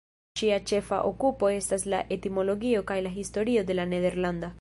Ŝia ĉefa okupo estas la etimologio kaj la historio de la nederlanda.